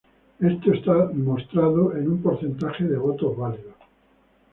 Estos está mostrado en un porcentaje de votos válidos.